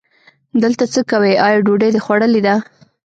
دلته څه کوې، آیا ډوډۍ دې خوړلې ده؟